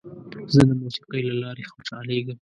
زه د موسیقۍ له لارې خوشحالېږم.